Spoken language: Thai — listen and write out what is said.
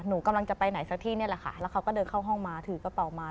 หนูกำลังจะไปไหนสักที่นี่แหละค่ะแล้วเขาก็เดินเข้าห้องมาถือกระเป๋ามา